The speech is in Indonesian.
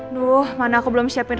nuh mana aku belum siapin